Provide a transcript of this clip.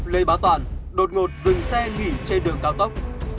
lê bá toàn đột ngột dừng xe nghỉ trên đường cao tốc